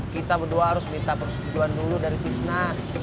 kita berdua harus minta persetujuan dulu dari kisna